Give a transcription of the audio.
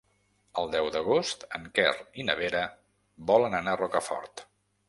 El deu d'agost en Quer i na Vera volen anar a Rocafort.